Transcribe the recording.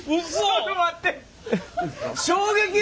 ちょっと待って。